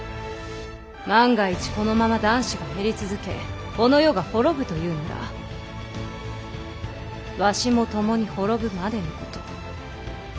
万が一このまま男子が減り続けこの世が滅ぶというならわしも共に滅ぶまでのこと。